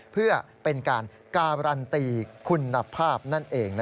เพื่อเป็นการการันตีคุณภาพนั่นเอง